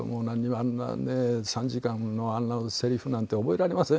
あんなね３時間のあんなせりふなんて覚えられません」